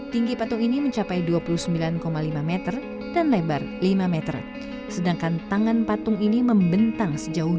tinggi patung ini mencapai dua puluh sembilan lima meter dan lebar lima meter sedangkan tangan patung ini membentang sejauh dua puluh lima meter